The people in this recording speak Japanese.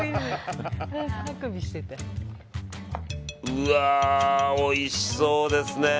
うわー、おいしそうですね。